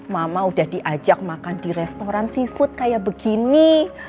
mama udah diajak makan di restoran seafood kayak begini